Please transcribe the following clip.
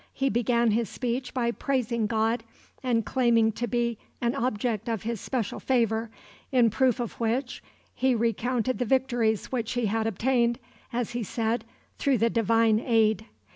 He began his speech by praising God, and claiming to be an object of his special favor, in proof of which he recounted the victories which he had obtained, as he said, through the Divine aid.